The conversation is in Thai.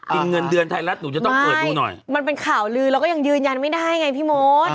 เงินเดือนไทยรัฐหนูจะต้องเปิดดูหน่อยมันเป็นข่าวลือแล้วก็ยังยืนยันไม่ได้ไงพี่มด